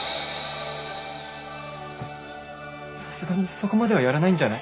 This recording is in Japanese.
さすがにそこまではやらないんじゃない？